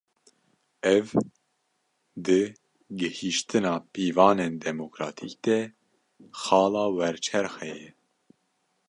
Ev, di gihîştina pîvanên demokratîk de, xala werçerxê ye